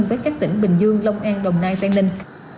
với các tỉnh bình dương long an đồng nai tây ninh